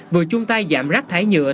vừa chung tay giảm rác thải nhựa